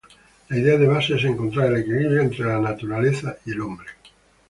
La idea de base es encontrar el equilibrio entre la Naturaleza y el Hombre.